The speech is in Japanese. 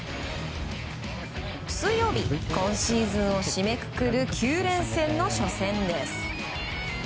水曜日、今シーズンを締めくくる９連戦の初戦です。